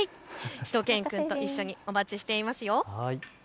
しゅと犬くんと一緒にお待ちしていますよ。